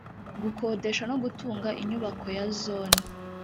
gukodesha no gutunga imyubako ya zone